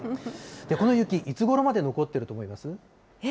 この雪、いつごろまで残っていると思います？